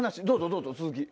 どうぞ続き。